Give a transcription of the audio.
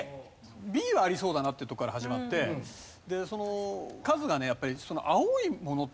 Ｂはありそうだなってところから始まってカズがねやっぱり。